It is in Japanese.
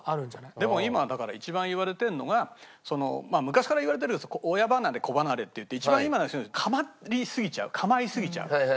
でも今だから一番言われてるのがまあ昔から言われてる親離れ子離れっていって一番今の人たち構いすぎちゃう構いすぎちゃう。